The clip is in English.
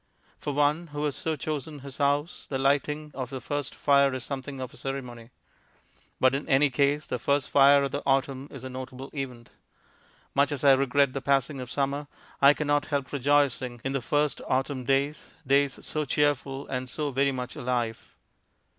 For one who has so chosen his house the lighting of the first fire is something of a ceremony. But in any case the first fire of the autumn is a notable event. Much as I regret the passing of summer, I cannot help rejoicing in the first autumn days, days so cheerful and so very much alive.